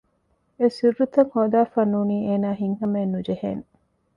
އެސިއްރުތައް ހޯދާފަ ނޫނީ އޭނާ ހިތް ހަމައެއް ނުޖެހޭނެ